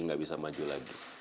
tidak bisa maju lagi